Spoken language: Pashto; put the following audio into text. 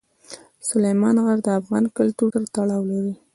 سلیمان غر د افغان کلتور سره تړاو لري.